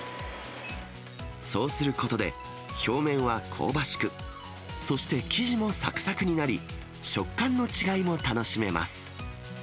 そうすることで、表面は香ばしく、そして生地もさくさくになり、食感の違いも楽しめます。